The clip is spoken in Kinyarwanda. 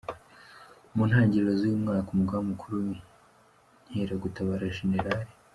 Mu ntangiriro z’uyu mwaka, Umugaba Mukuru w’Inkeragutabara, Gen.